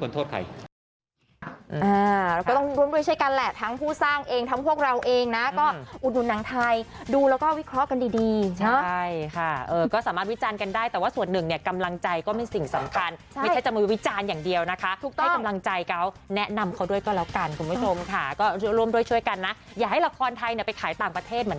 คุณผู้ชมค่ะ